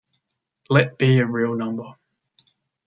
Let be a real number.